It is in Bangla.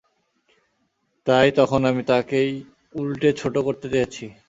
তাই তখন আমি তাঁকেই উলটে ছোটো করতে চেয়েছি।